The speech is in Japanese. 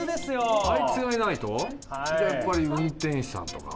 やっぱり運転手さんとか。